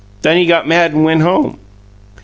"Then he got mad and went home." Mr.